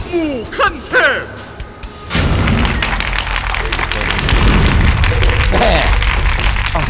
อยู่ที่แม่ศรีวิรัยิลครับ